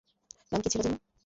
নাম কী ছিলো যেন?